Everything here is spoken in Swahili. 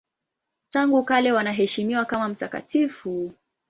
Tangu kale wanaheshimiwa kama mtakatifu.